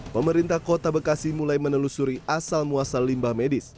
pemerintah kota bekasi mulai menelusuri asal muasal limbah medis